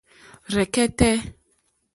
Rzɛ̀kɛ́tɛ́.